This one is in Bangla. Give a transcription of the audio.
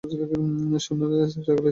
সৈন্যরা সকলেই ছিল অশ্বারোহী।